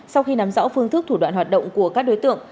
sau khi nắm rõ phương thức thủ đoạn hoạt động của các đối tượng